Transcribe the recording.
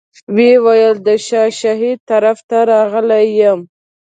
ویې ویل د شاه شهید طرف ته راغلی یم.